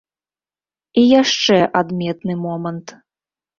І яшчэ адметны момант.